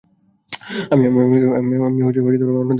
আমি অন্যদের মতো না।